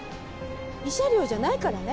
慰謝料じゃないからね。